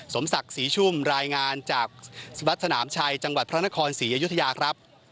สมศักดิ์ศรีชุ่มรายงานจากวัดสนามชัยจังหวัดพระนครศรีอยุธยาครับ